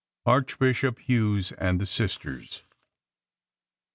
ARCHBISHOP HUGHES AND THE SISTERS.